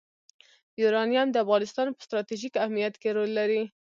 یورانیم د افغانستان په ستراتیژیک اهمیت کې رول لري.